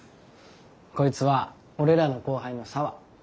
こいつは俺らの後輩の沙和。